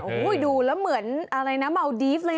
โอ้โหดูแล้วเหมือนอะไรนะเมาดีฟเลย